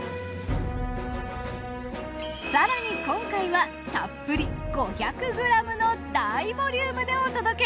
更に今回はたっぷり５００ｇの大ボリュームでお届け。